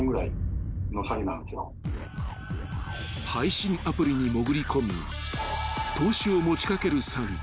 ［配信アプリに潜り込み投資を持ち掛ける詐欺］